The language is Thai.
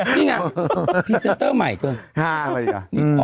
นี่ไงพรีเซนเตอร์ใหม่เกิน